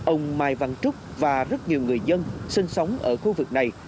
ông mai văn trúc và rất nhiều người dân sinh sống ở khu vực này